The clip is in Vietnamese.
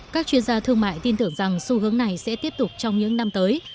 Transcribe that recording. các chuyên gia thương mại tin tưởng rằng xu hướng này sẽ tiếp tục trong những năm tới